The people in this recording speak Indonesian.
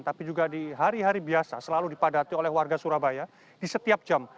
tapi juga di hari hari biasa selalu dipadati oleh warga surabaya di setiap jam